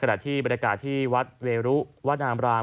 ขณะที่บริการที่วัดเวรุวัดอามราม